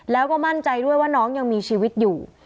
แล้วก็มั่นใจด้วยว่าน้องยังมีชีวิตอยู่